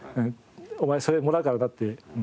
お前それもらうからなって。